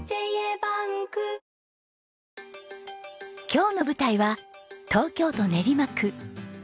今日の舞台は東京都練馬区。